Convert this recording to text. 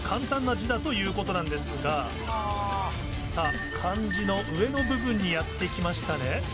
さぁ漢字の上の部分にやって来ましたね。